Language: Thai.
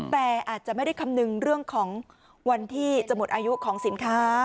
แต่อาจจะไม่ได้คำนึงเรื่องของวันที่จะหมดอายุของสินค้า